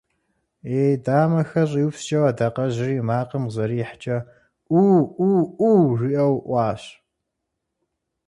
И дамэхэр щӀиупскӀэу адакъэжьри и макъым къызэрихькӀэ: Ӏуу Ӏуу Ӏуу! – жиӀэу Ӏуащ.